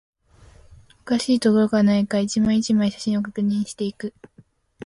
おかしいところがないか、一枚、一枚、写真を確認していく